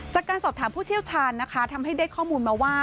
จากการสอบถามผู้เชี่ยวชาญนะคะทำให้ได้ข้อมูลมาว่า